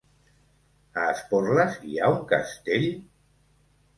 A Esporles hi ha un castell?